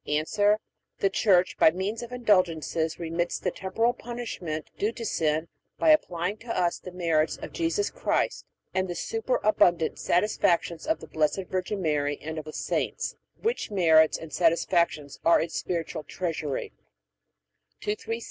A. The Church by means of Indulgences remits the temporal punishment due to sin by applying to us the merits of Jesus Christ, and the superabundant satisfactions of the Blessed Virgin Mary and of the saints; which merits and satisfactions are its spiritual treasury.